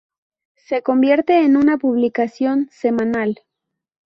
Se convierte en una publicación semanal.